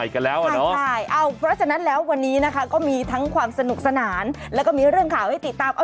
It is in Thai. ก็ยั่วประสาทให้มีความสนุกสนานนั่นแหละ